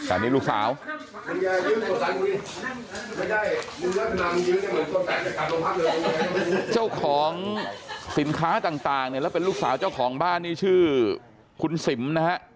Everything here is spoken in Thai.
อันนี้ลูกสาวเจ้าของสินค้าต่างเนี่ยแล้วเป็นลูกสาวเจ้าของบ้านนี่ชื่อคุณสิมนะฮะ